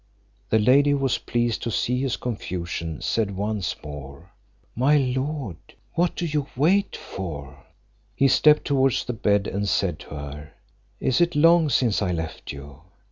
The lady, who was pleased to see his confusion, said, once more, "My lord, what do you wait for?" He stepped towards the bed, and said to her, "Is it long since I left you?"